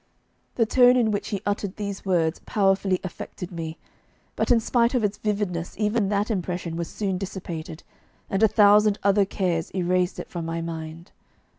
The tone in which he uttered these words powerfully affected me, but in spite of its vividness even that impression was soon dissipated, and a thousand other cares erased it from my mind.